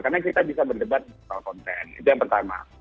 karena kita bisa berdebat tentang konten itu yang pertama